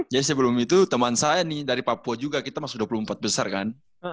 jadi sebelum itu teman saya nih dari papua juga kita masuk dua puluh empat besar kan